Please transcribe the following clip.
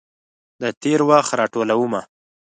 د تیروخت راټولومه